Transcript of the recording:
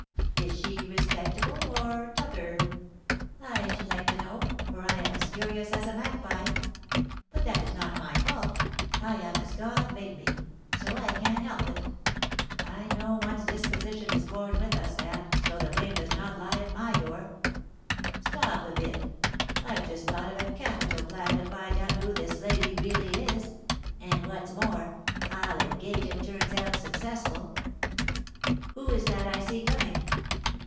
Is she respectable, or t'other? I should like to know, for I am as curious as a magpie; but that is not my fault; I am as God made me, so I can't help it. I know one's disposition is born with us, and so the blame does not lie at my door. Stop a bit; I've just thought of a capital plan to find out who this lady really is; and, what's more, I'll engage it turns out successful. Who is that I see coming?